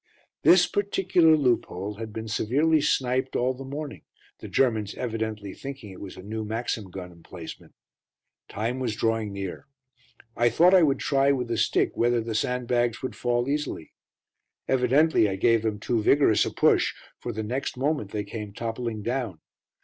This particular loophole had been severely sniped all the morning, the Germans evidently thinking it was a new Maxim gun emplacement. Time was drawing near. I thought I would try with the stick whether the sandbags would fall easily. Evidently I gave them too vigorous a push, for the next moment they came toppling down.